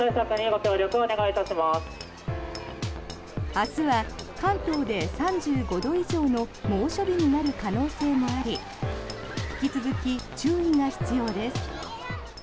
明日は関東で３５度以上の猛暑日になる可能性もあり引き続き注意が必要です。